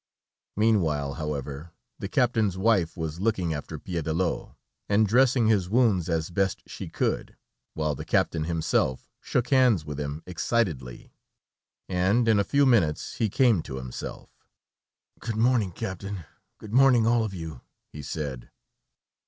Meanwhile, however, the captain's wife was looking after Piédelot, and dressing his wounds as best she could, while the captain himself shook hands with him excitedly and in a few minutes he came to himself. "Good morning, captain, good morning, all of you," he said.